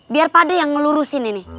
biar pada yang ngelurusin ini